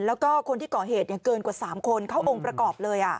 แล้วก็คนที่ก่อเหตุเกินกว่า๓คนเข้าองค์ประกอบเลย